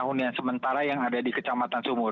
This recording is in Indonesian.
hunian sementara yang ada di kecamatan sumur